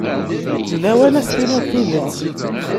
D lawan ad s-tiniḍ tidet.